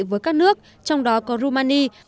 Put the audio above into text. với các nước trong đó có rumani